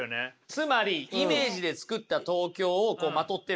つまりイメージで作った東京をこうまとってるような感じ。